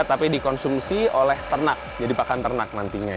tapi dikonsumsi oleh ternak jadi pakan ternak nantinya